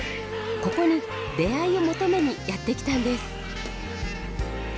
ここに出会いを求めにやって来たんです。